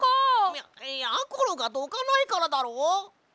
ややころがどかないからだろ！